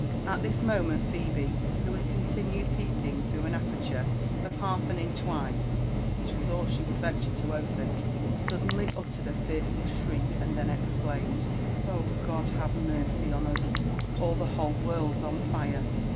At this moment Phebe, who had continued peeping throughan aper ture of half an inch wide, which was all she would venture to open, suddenly uttered a fearful shriek, and then exclaimed, "Oh, God have mercy on us !— ^all the whole world's on fire!''